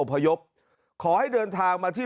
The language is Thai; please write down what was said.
พยพขอให้เดินทางมาที่